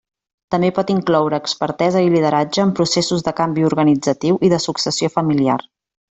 També pot incloure expertesa i lideratge en processos de canvi organitzatiu, i de successió familiar.